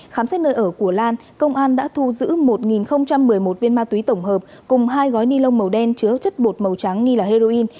khám xét nơi ở của lan công an đã thu giữ một một mươi một viên ma túy tổng hợp cùng hai gói ni lông màu đen chứa chất bột màu trắng nghi là heroin